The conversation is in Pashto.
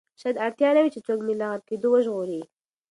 شاید اړتیا نه وي چې څوک مې له غرقېدو وژغوري.